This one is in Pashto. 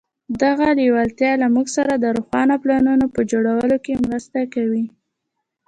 دغه لېوالتیا له موږ سره د روښانه پلانونو په جوړولو کې مرسته کوي.